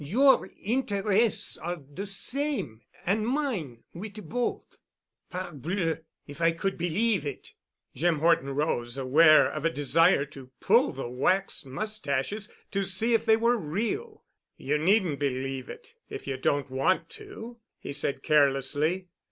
Your interests are de same—and mine, wit' both." "Parbleu! If I could believe it——!" Jim Horton rose, aware of a desire to pull the waxed mustaches to see if they were real. "You needn't believe it, if you don't want to," he said carelessly.